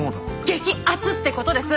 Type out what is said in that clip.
激アツって事です。